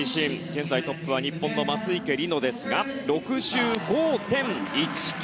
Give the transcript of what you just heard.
現在トップは日本の松生理乃ですが６５．１９。